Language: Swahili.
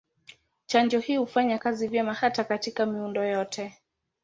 Chanjo hii hufanya kazi vyema hata katika miundo yote.